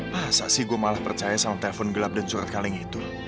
masa sih gue malah percaya sama telpon gelap dan surat kaleng itu